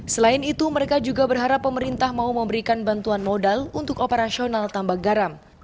selain itu mereka juga berharap pemerintah mau memberikan bantuan modal untuk operasional tambak garam